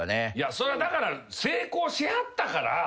それはだから成功しはったから言えるわけで。